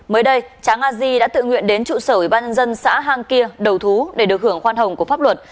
mới đây tráng a di đã tự nguyện đến trụ sở ủy ban nhân dân xã hang kia đầu thú để được hưởng khoan hồng của pháp luật